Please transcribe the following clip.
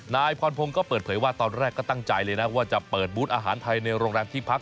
นายพรพงศ์ก็เปิดเผยว่าตอนแรกก็ตั้งใจเลยนะว่าจะเปิดบูธอาหารไทยในโรงแรมที่พัก